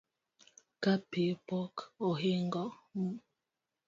Ka pi pok ohingo m